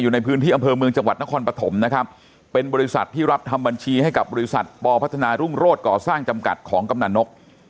ในพื้นที่อำเภอเมืองจังหวัดนครปฐมนะครับเป็นบริษัทที่รับทำบัญชีให้กับบริษัทปพัฒนารุ่งโรศก่อสร้างจำกัดของกำหนันนก